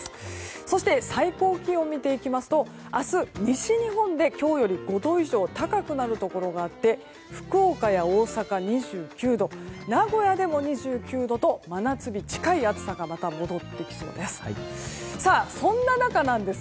そして最高気温を見ていきますと明日、西日本で今日より５度以上高くなるところがあって福岡や大阪、２９度名古屋でも２９度と真夏日近い暑さがまた戻ってきそうです。